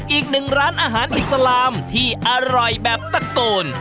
อีกหนึ่งร้านอาหารอิสลามที่อร่อยแบบตะโกน